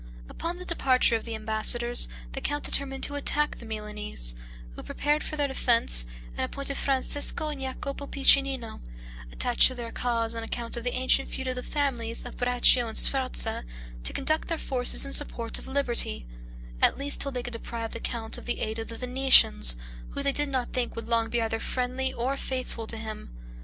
Upon the departure of the ambassadors, the count determined to attack the Milanese, who prepared for their defense, and appointed Francesco and Jacopo Piccinino (attached to their cause, on account of the ancient feud of the families of Braccio and Sforza) to conduct their forces in support of liberty; at least till they could deprive the count of the aid of the Venetians, who they did not think would long be either friendly or faithful to him.